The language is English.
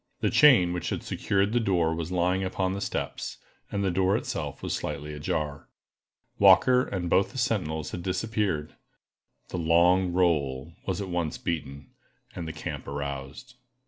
The chain which had secured the door was lying upon the steps, and the door itself was slightly ajar. Walker and both the sentinels had disappeared. The "long roll" was at once beaten, and the camp aroused.